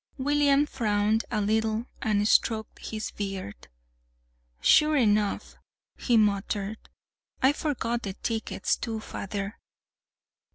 William frowned a little and stroked his beard. "Sure enough!" he muttered. "I forgot the tickets, too, father.